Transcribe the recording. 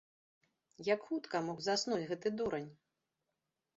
Як хутка мог заснуць гэты дурань?